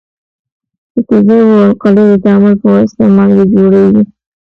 د تیزابو او القلیو د تعامل په واسطه مالګې جوړیږي.